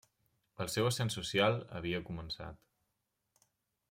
El seu ascens social havia començat.